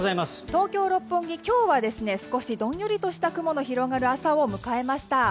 東京・六本木、今日は少しどんよりとした雲の広がる朝を迎えました。